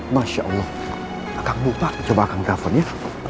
masya allah kang bupa coba akan telepon ya